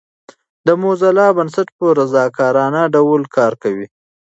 د موزیلا بنسټ په رضاکارانه ډول کار کوي.